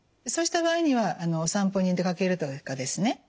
そうした場合にはお散歩に出かけるとかですね